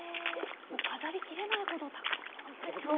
もう飾りきれないほどたくさんですね。